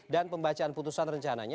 dan pembacaan putusan rencananya